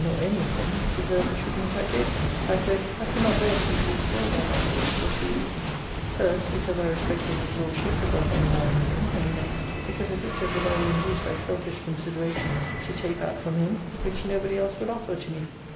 nor any of them, deserved the treatment I gave them. I said, I could not bear to be used ill by my Lord, for two reasons; first, because I respected his Lordship above any man living; and next, because it looked as if I were induced by selfish considerations to take that from him, which nobody else would offer to me.